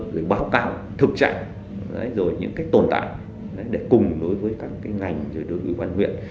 rồi báo cáo thực trạng rồi những cái tồn tại để cùng đối với các cái ngành rồi đối với ủy ban huyện